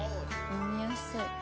飲みやすい。